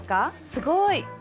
すごい。